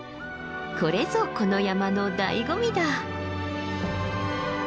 これぞこの山のだいご味だ。